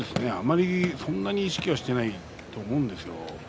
そんなに意識はしていないと思うんですよ。